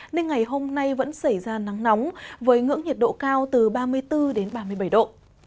nên ngày hôm nay vẫn xảy ra nắng nóng với ngưỡng nhiệt độ cao từ ba mươi bốn đến ba mươi bảy độ